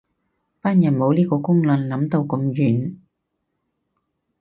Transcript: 班人冇呢個能力諗到咁遠